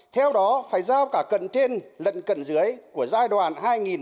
theo đó phải giao cả cận trên lận cận dưới của giai đoàn hai nghìn một mươi sáu hai nghìn hai mươi